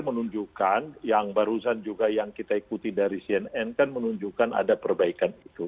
menunjukkan yang barusan juga yang kita ikuti dari cnn kan menunjukkan ada perbaikan itu